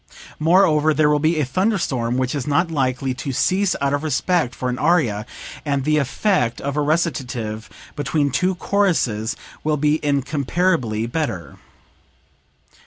Moreover there will be a thunder storm which is not likely to cease out of respect for an aria, and the effect of a recitative between two choruses will be incomparably better."